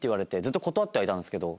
ずっと断ってはいたんですけど。